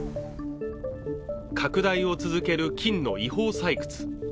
拡大を続ける金の違法採掘